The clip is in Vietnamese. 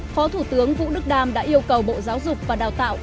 phó thủ tướng vũ đức đam đã yêu cầu bộ giáo dục và đào tạo